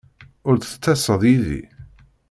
Ur d-tettaseḍ yid-i?